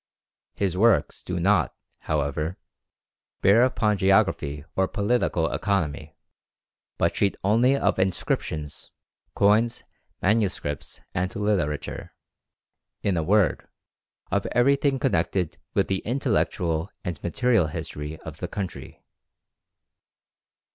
His works do not, however, bear upon geography or political economy, but treat only of inscriptions, coins, manuscripts, and literature in a word, of everything connected with the intellectual and material history of the country.